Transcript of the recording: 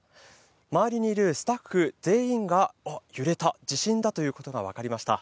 周りにいるスタッフ全員が、あっ、揺れた、地震だということが分かりました。